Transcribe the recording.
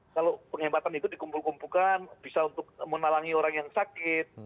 kalau penghematan itu dikumpul kumpulkan bisa untuk menalangi orang yang sakit